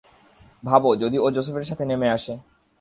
ভাবো যদি ও জোসেফের সাথে নেমে আসে।